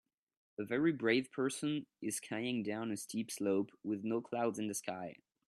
A very brave person is skying down a steep slope with no clouds in the sky